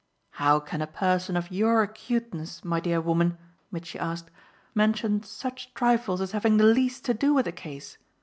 "How can a person of your acuteness, my dear woman," Mitchy asked, "mention such trifles as having the least to do with the case?